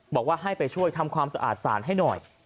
บอกว่าให้ไปช่วยทำความสะอาดสารให้หน่อย